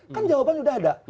kan jawaban sudah ada